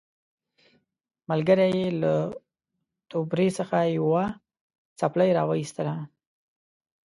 ملګري یې له توبرې څخه یوه څپلۍ راوایستله.